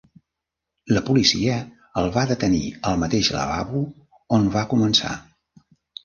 La policia el va detenir al mateix lavabo on va començar.